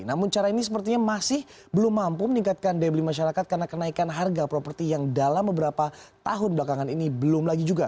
namun cara ini sepertinya masih belum mampu meningkatkan daya beli masyarakat karena kenaikan harga properti yang dalam beberapa tahun belakangan ini belum lagi juga